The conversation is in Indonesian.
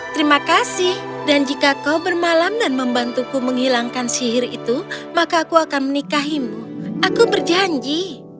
terima kasih dan jika kau bermalam dan membantuku menghilangkan sihir itu maka aku akan menikahimu aku berjanji